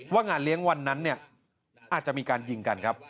ว่างานเลี้ยงวันนั้นอาจจะมีการยิงกันครับ